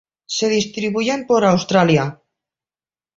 Se distribuyen por Australia.